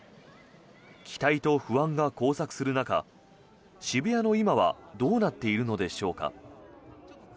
期待と不安が交錯する中渋谷の今はどうなっているのでしょうか。